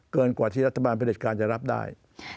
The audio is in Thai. กว่าที่รัฐบาลประเด็จการจะรับได้